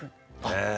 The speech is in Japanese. へえ。